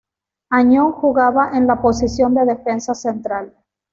Añón jugaba en la posición de defensa central.